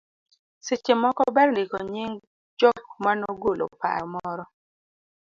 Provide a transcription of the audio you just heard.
Seche moko ber ndiko nying jok manogolo paro moro